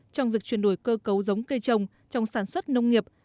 trong việc chuyển đổi cơ cấu giống cây trồng trong sản xuất nông nghiệp